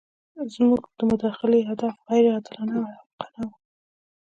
زموږ د مداخلې هدف غیر عادلانه او احمقانه وو.